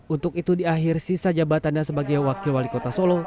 untuk itu di akhir sisa jabatannya sebagai wakil wali kota solo